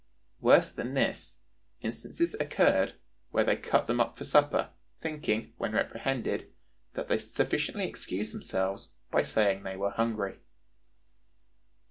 Worse than this, instances occurred where they cut them up for supper, thinking, when reprehended, that they sufficiently excused themselves by saying they were hungry."